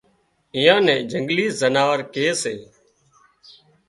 ايئان نين جنگلي زناور ڪي سي